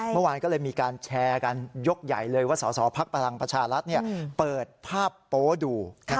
เมื่อวานก็เลยมีการแชร์กันยกใหญ่เลยว่าสอสอภักดิ์พลังประชารัฐเปิดภาพโป๊ดู